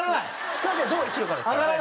地下でどう生きるかですから。